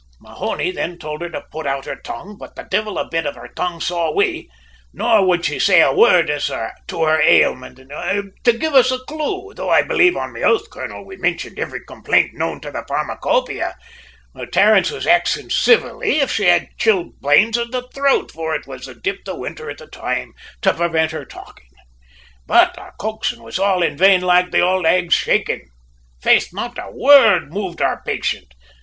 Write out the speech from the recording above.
"Mahony then tould her to put out her tongue, but the divvle a bit of her tongue saw we! Nor would she say a worrd as to her ailment, to give us a clue, though I believe on me oath, colonel, we mintioned ivery complaint known in the Pharmacopaia, Terence even axin' civilly if she had chilblames in the throat, for it was the depth of winter at the toime, to prevent her talkin'! "But our coaxin' was all in vain, loike the ould hag's shaking! "Faith, not a worrd moved our patient.